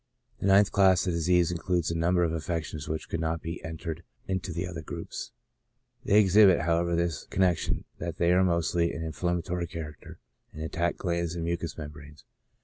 The ninth class of diseases includes a number of affec tions which could not be entered into the other groups ; they exhibit, however, this connection, that they are mostly of an inflammatory character, and attack glands and mucous membranes.